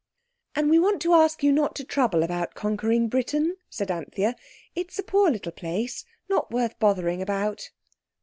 "And we want to ask you not to trouble about conquering Britain," said Anthea; "it's a poor little place, not worth bothering about."